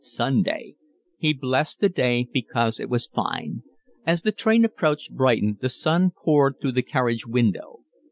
Sunday. He blessed the day because it was fine. As the train approached Brighton the sun poured through the carriage window.